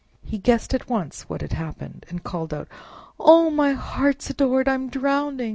He guessed at once what had happened, and called out, "Oh! my heart's adored! I'm drowning!